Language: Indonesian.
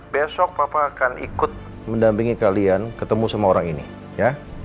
besok papa akan ikut mendampingi kalian ketemu sama orang ini ya